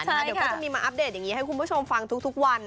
เดี๋ยวก็จะมีอัพเดทจะ่าคุณผู้ชมค่อนข้างทุกวัน